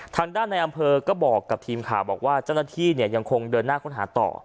ทางด้านในอำเภอก็บอกกับทีมข่าวบอกว่าเจ้าหน้าที่เนี่ยยังคงเดินหน้าค้นหาต่อ